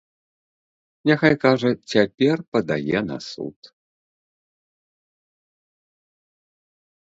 Няхай, кажа, цяпер падае на суд.